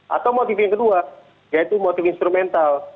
atau motif yang kedua yaitu motif instrumental